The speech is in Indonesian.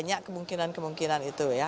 banyak kemungkinan kemungkinan itu ya